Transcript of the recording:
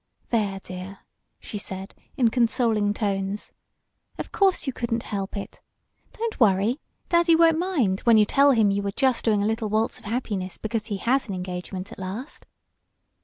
"There, dear!" she said in consoling tones. "Of course you couldn't help it. Don't worry. Daddy won't mind when you tell him you were just doing a little waltz of happiness because he has an engagement at last."